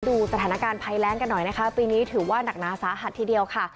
ดูสถานการณ์ภัยแรงกันหน่อยนะคะปีนี้ถือว่าหนักหนาสาหัสทีเดียวค่ะ